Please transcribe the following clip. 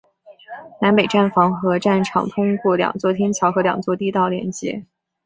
南北站房和站场通过两座天桥和两座地道连接。